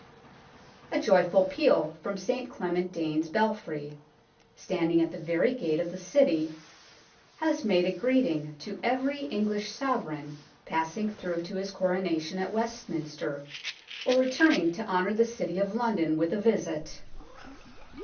A joyful peal from St Clement Danes belfry, standing at the very gate of the City, has made a greeting to every English Sovereign passing through to his Coronation at Westminster or returning to honour the City of London with a visit.